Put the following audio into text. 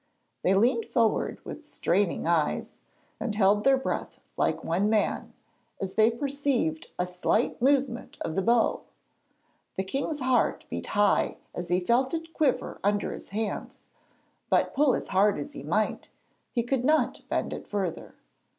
They leaned forward with straining eyes, and held their breath like one man, as they perceived a slight movement of the bow. The king's heart beat high as he felt it quiver under his hands, but, pull as hard as he might, he could not bend it further.